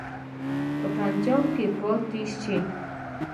په پنجاب کې پاته شي.